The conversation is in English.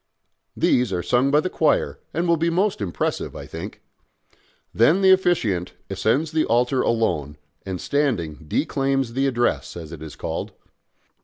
These are sung by the choir, and will be most impressive, I think. Then the officiant ascends the altar alone, and, standing, declaims the Address, as it is called.